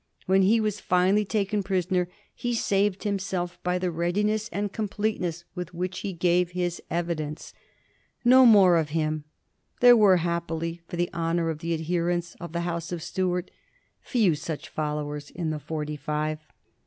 When he was finally taken prisr oner he saved himself by the readiness and complete ness with which he gave his evidence. No more of him. There were, happily for the honor of the adherents of the House of Stuart, few such followers in the Forty five.